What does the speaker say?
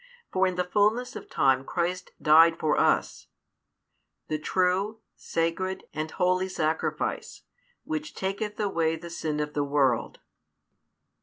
For in the fulness of time Christ died for us the true, sacred, and holy sacrifice which taketh away the sin of the world.